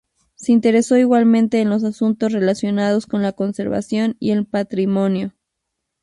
Se interesó igualmente en los asuntos relacionados con la conservación y el patrimonio.